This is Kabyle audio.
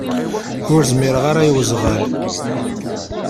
Ur zmireɣ ara i uzɣal.